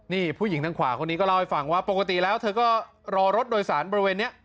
นี่ผู้หญิงทางขวาคนนี้ก็เล่าให้ฟังว่าปกติแล้วเธอก็รอรถโดยสารบริเวณนี้